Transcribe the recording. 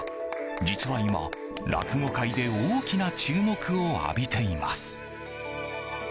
実は今、落語界で大きな注目を浴びています。